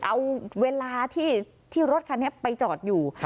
เอาเวลาที่รถคันนี้ไปจอดอยู่